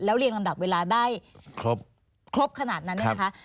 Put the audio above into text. เรียงลำดับเวลาได้ครบขนาดนั้นเนี่ยนะคะ